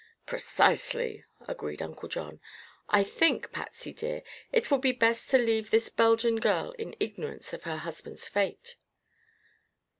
"Precisely," agreed Uncle John. "I think, Patsy dear, it will be best to leave this Belgian girl in ignorance of her husband's fate."